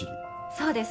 そうです。